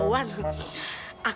oh ini dia